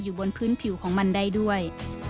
บนพื้นผิวของมันได้ด้วย